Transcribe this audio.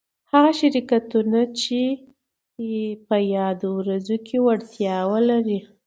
هغه شرکتونه چي په يادو برخو کي وړتيا ولري